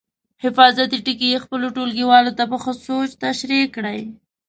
حفاظتي ټکي یې خپلو ټولګیوالو ته په ښه توګه تشریح کړئ.